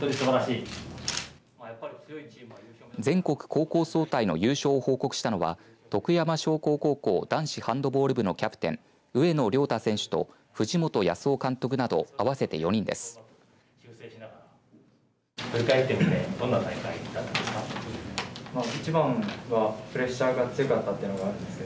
全国高校総体の優勝を報告したのは徳山商工高校男子ハンドボール部のキャプテン上野諒太選手と藤本靖雄監督など合わせて４人です。